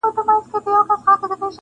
د ها بل يوه لكۍ وه سل سرونه-